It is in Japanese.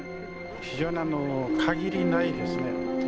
非常にあの限りないですね。